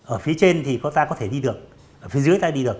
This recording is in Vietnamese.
ở phía trên thì có ta có thể đi được ở phía dưới ta đi được